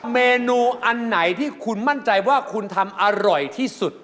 เมนูอันไหนที่คุณมั่นใจว่าคุณทำอร่อยที่สุด